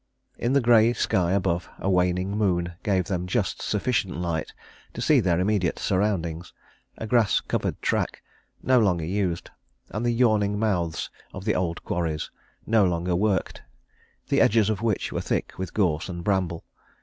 In the grey sky above, a waning moon gave them just sufficient light to see their immediate surroundings a grass covered track, no longer used, and the yawning mouths of the old quarries, no longer worked, the edges of which were thick with gorse and bramble.